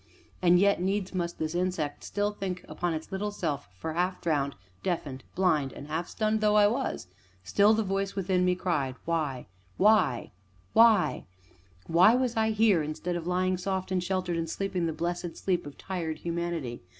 And yet needs must this insect still think upon its little self for half drowned, deafened, blind, and half stunned though I was, still the voice within me cried: "Why? Why? Why?" Why was I here instead of lying soft and sheltered, and sleeping the blessed sleep of tired humanity?